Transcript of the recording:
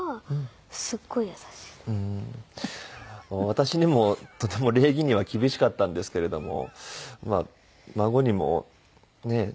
私にもとても礼儀には厳しかったんですけれども孫にもねえ。